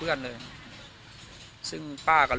วันนี้ก็จะเป็นสวัสดีครับ